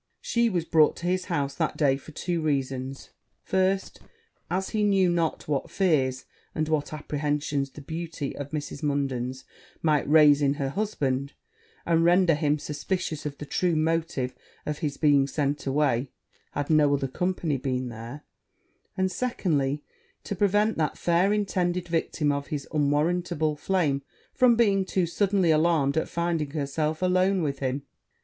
She was brought to his house that day for two reasons; first, as he knew not what fears, and what apprehensions, the beauty of Mrs. Munden might raise in her husband, and render him suspicious of the true motive of his being sent away, had no other company been there; and, secondly, to prevent that fair intended victim of his unwarrantable flame from being too suddenly alarmed at finding herself alone with him.